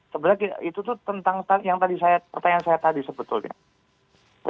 sebenarnya itu tuh tentang pertanyaan saya tadi sebetulnya